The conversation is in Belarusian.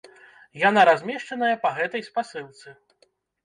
Яна размешчаная па гэтай спасылцы.